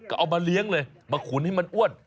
ก็เอามาเลี้ยงเลยมาขุนให้มันอ้วน